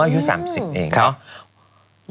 อ๋ออยู่๓๐เอง